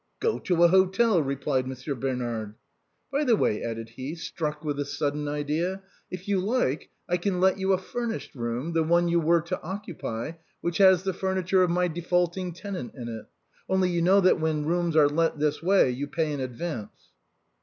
" Go to a hotel !" replied Monsieur Bernard. " By the way," added he, struck with a sudden idea, " if you like, I can let you a furnished room, the one you were to occupy, which has the furniture of my defaulting tenant in it. Only you know that when rooms arc let this way, you pay in advance."